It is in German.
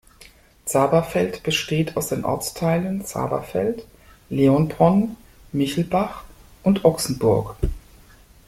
Zaberfeld besteht aus den Ortsteilen Zaberfeld, Leonbronn, Michelbach und Ochsenburg.